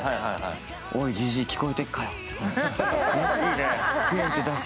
おい、じじい、聴こえてっかよと。